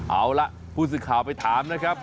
เอาล่ะผู้สื่อข่าวไปถามนะครับ